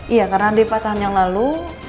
iya karena di patah tahun yang lalu